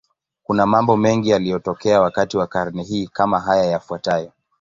Kuna mambo mengi yaliyotokea wakati wa karne hii, kama haya yafuatayo.